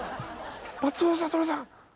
松尾諭さん。